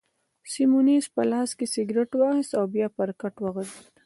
سیمونز په لاس کي سګرېټ واخیست او بیا پر کټ وغځېد.